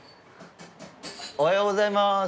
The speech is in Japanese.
おはようございます。